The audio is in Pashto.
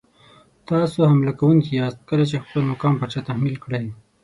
تاسو حمله کوونکي یاست کله چې خپل مقام پر چا تحمیل کړئ.